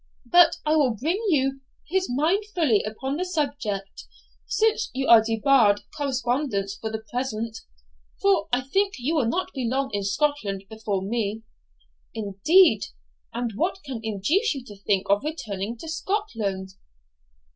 But I will bring you his mind fully upon the subject, since you are debarred correspondence for the present, for I think you will not be long in Scotland before me.' 'Indeed! and what can induce you to think of returning to Scotland?